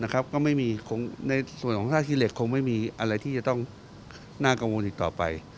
ก็ไม่มีในส่วนของท่าขี้เหล็กคงไม่มีอะไรที่จะต้องน่ากังวลอีกต่อไป